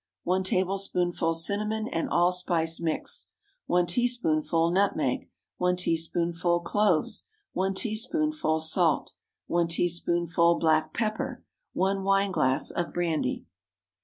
1 tablespoonful cinnamon and allspice mixed. 1 teaspoonful nutmeg. 1 teaspoonful cloves. 1 teaspoonful salt. 1 teaspoonful black pepper. 1 wineglass of brandy.